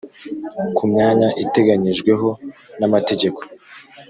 ku myanya iteganyijweho n amategeko